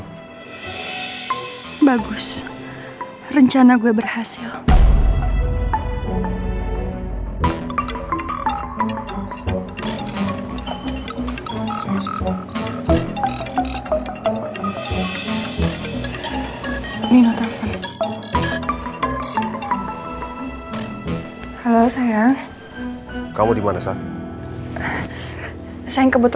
karena udah gua